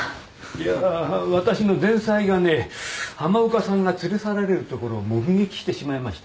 いや私の前妻がね浜岡さんが連れ去られるところを目撃してしまいましてね